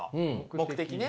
目的ね。